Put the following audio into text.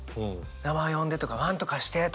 「名前呼んで」とか「何とかして」とか。